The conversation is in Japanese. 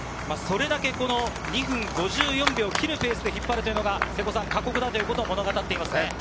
それだけ２分５４秒を切るペースで引っ張るというのが過酷だということを物語っていますね。